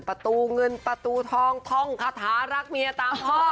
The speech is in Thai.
ประตูเงินประตูทองท่องคาถารักเมียตามพ่อ